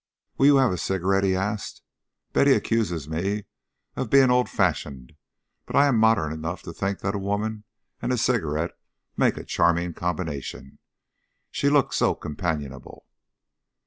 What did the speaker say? "Will you have a cigarette?" he asked. "Betty accuses me of being old fashioned, but I am modern enough to think that a woman and a cigarette make a charming combination: she looks so companionable."